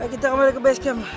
kita kembali ke base camp